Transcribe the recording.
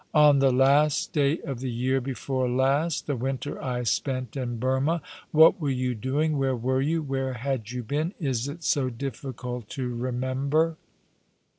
" On the last day of the year before last — the winter I spent in Burmah. What were you doing — where were you — where had you been ? Is it so difficult to remember